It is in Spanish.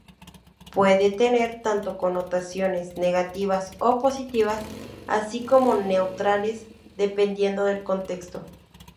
Puede tener tanto connotaciones negativas o positivas, así como neutrales, dependiendo del contexto.